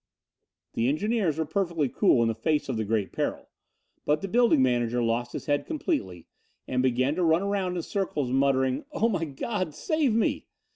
The engineers were perfectly cool in face of the great peril, but the building manager lost his head completely and began to run around in circles muttering: "Oh, my God, save me!"